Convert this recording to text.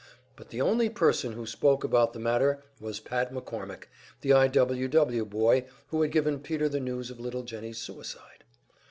But the only person who spoke about the matter was Pat McCormick, the I. W. W. boy who had given Peter the news of little Jennie's suicide.